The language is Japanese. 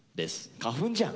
花粉じゃん。